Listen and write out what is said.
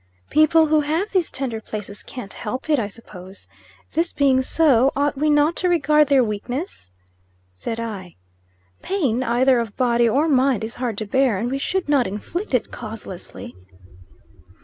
"People who have these tender places can't help it, I suppose. This being so, ought we not to regard their weakness?" said I. "Pain, either of body or mind, is hard to bear, and we should not inflict it causelessly."